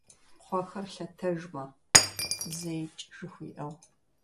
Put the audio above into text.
«Кхъуэхэр лъэтэжмэ!» - зэикӀ жыхуиӏэу.